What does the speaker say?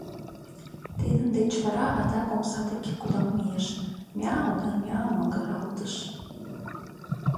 Тидын деч вара адак омса деке кудал мийыш, мяу да мяу магыралтыш.